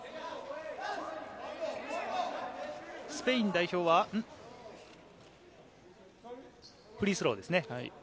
スペイン代表は、フリースローですね。